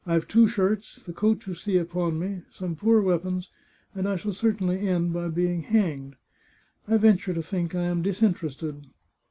I've two shirts, the coat you see upon me, some poor weapons, and I shall certainly end by being hanged. I venture to think I am disinterested.